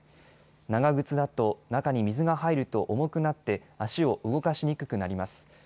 長靴だと中に水が入ると重くなって足を動かしにくくなります。